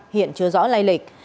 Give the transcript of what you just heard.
hiện chưa rõ lai lịch